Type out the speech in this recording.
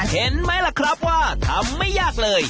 เห็นไหมล่ะครับว่าทำไม่ยากเลย